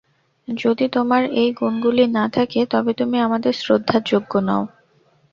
যদি তোমার এই গুণগুলি না থাকে, তবে তুমি আমাদের শ্রদ্ধার যোগ্য নও।